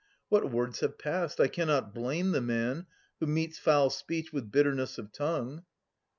What words have passed? I cannot blame the man Who meets foul speech with bitterness of tongue.